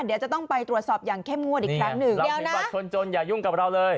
เดี๋ยวจะต้องไปตรวจสอบอย่างเข้มงวดอีกครั้งหนึ่งเดี๋ยวนะบัตรคนจนอย่ายุ่งกับเราเลย